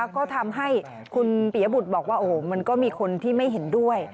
ก็ทำให้คุณปียบุตรบอกว่าโอ้โหมันก็มีคนที่ไม่เห็นด้วย